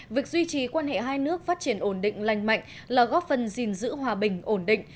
việc duy trì quan hệ hai nước phát triển ổn định lành mạnh là góp phần gìn giữ hòa bình ổn định